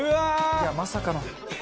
いやまさかの。